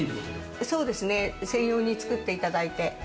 そうですね、専用に作っていただいて。